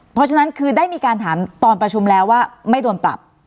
เพราะฉะนั้นคือได้มีการถามตอนประชุมแล้วว่าไม่โดนปรับ